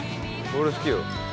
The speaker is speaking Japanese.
俺好きよ。